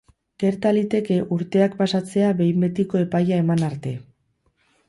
Gerta liteke urteak pasatzea behin betiko epaia eman arte.